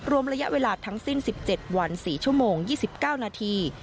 รวมระยะเวลาทั้งสิ้น๑๗วัน๔ชั่วโมง๒๙นาที